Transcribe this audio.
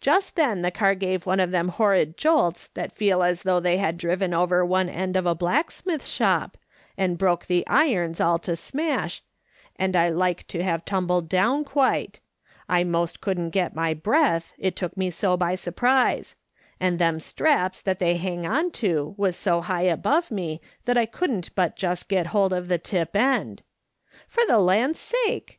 Just then the car gave one of them horrid jolts that feel as though they had driven over one end of a black smith's shop, and broke the irons all to smash, and I like to have tumbled down quite ; I most couldn't get my breath, it took me so by surprise ; and thcui straps that they hang on to, was so high above me that I couldn't but just get hold of the tip end. ' For the land's sake